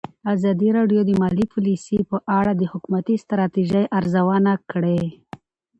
ازادي راډیو د مالي پالیسي په اړه د حکومتي ستراتیژۍ ارزونه کړې.